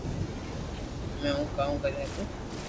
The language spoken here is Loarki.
ھمي ھون ڪاو ڪري ھگو